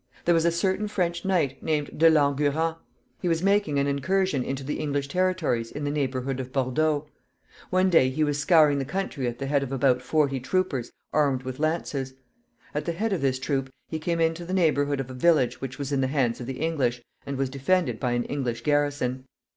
There was a certain French knight, named De Langurant: he was making an incursion into the English territories in the neighborhood of Bordeaux. One day he was scouring the country at the head of about forty troopers, armed with lances. At the head of this troop he came into the neighborhood of a village which was in the hands of the English, and was defended by an English garrison.